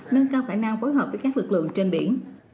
nâng cao khả năng phối hợp với các lực lượng trên biển